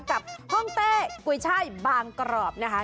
กับห้องเต้กุยช่ายบางกรอบนะคะ